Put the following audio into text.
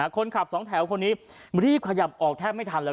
คนขับสองแถวคนนี้รีบขยับออกแทบไม่ทันเลย